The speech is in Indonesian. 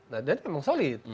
nah ini emang solid